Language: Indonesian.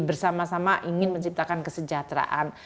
bersama sama ingin menciptakan kesejahteraan